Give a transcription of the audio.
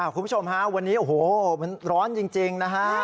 คุณผู้ชมฮะวันนี้โอ้โหมันร้อนจริงนะฮะ